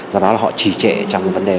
do đó là họ trì trệ trong vấn đề